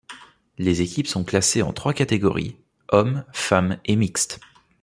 Les équipes sont classés en trois catégories, hommes, femmes et mixtes.